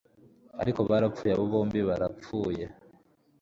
Ariko barapfuye abo bombi barapfuye